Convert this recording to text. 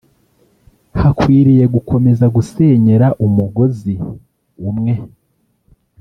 hakwiriye gukomeza gusenyera umugozi umwe